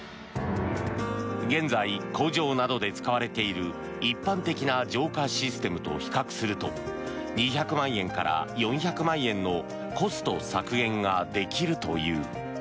現在、工場などで使われている一般的な浄化システムと比較すると２００万円から４００万円のコスト削減ができるという。